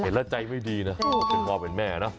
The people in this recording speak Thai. เห็นแล้วใจไม่ดีนะเป็นพ่อเป็นแม่เนอะ